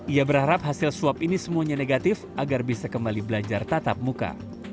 ia berharap hasil swab ini semuanya negatif agar bisa kembali belajar tatap muka